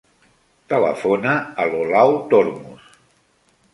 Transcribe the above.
Telefona a l'Olau Tormos.